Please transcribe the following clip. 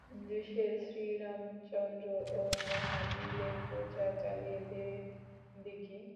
দেশে শ্রীরামচন্দ্র ও মহাবীরের পূজা চালিয়ে দে দিকি।